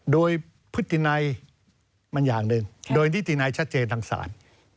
โดยพฤตินัยมันอย่างหนึ่งโดยนิตินัยชัดเจนทางศาล